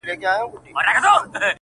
لښکر به څنگه بری راوړي له دې جنگه څخه~